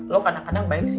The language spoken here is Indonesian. lo kadang kadang banyak sih